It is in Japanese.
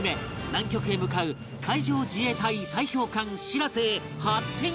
南極へ向かう海上自衛隊砕氷艦「しらせ」へ初潜入！